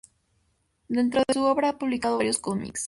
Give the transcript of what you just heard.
Dentro de su obra, ha publicado varios comics.